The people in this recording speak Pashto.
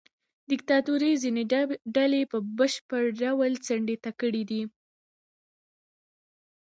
دیکتاتورۍ ځینې ډلې په بشپړ ډول څنډې ته کړې دي.